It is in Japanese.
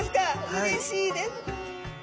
うれしいです。